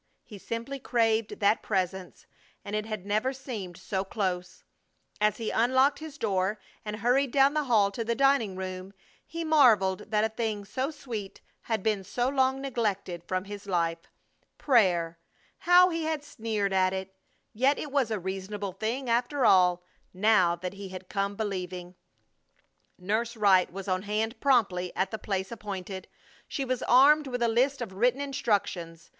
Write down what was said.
He simply craved that Presence, and it had never seemed so close. As he unlocked his door and hurried down the hall to the dining room he marveled that a thing so sweet had been so long neglected from his life. Prayer! How he had sneered at it! Yet it was a reasonable thing, after all, now that he had come believing. Nurse Wright was on hand promptly at the place appointed. She was armed with a list of written instructions.